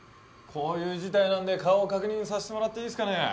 こういう事態なんで顔確認させてもらっていいですかね？